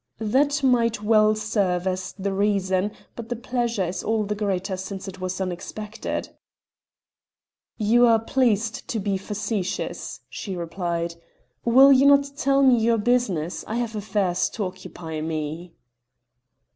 "That might well serve as the reason, but the pleasure is all the greater since it was unexpected." "You are pleased to be facetious," she replied. "Will you not tell me your business? I have affairs to occupy me."